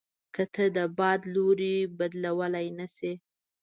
که ته د باد لوری بدلوای نه شې.